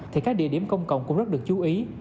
thì các địa điểm công cộng cũng rất được chú ý